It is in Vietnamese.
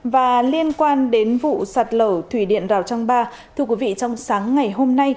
và liên quan đến vụ sạt lở thủy điện rào trang ba thưa quý vị trong sáng ngày hôm nay